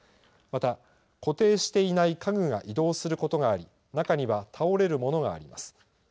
また、固定していない家具が移動することがあり、中には倒れるものがあります。